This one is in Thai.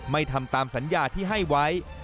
ไม่ทำตามสัญญาที่ให้ไว้